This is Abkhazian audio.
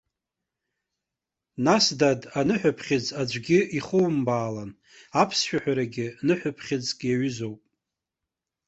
Нас, дад, аныҳәаԥхьыӡ аӡәгьы ихумбаалан, аԥсшәаҳәарагьы ныҳәаԥхьыӡк иаҩызоуп!